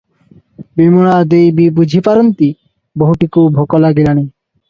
ବିମଳା ଦେଈ ବି ବୁଝି ପାରନ୍ତି ବୋହୂଟିକୁ ଭୋକ ଲାଗିଲାଣି ।